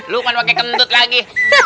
lukman pakai gendut lagi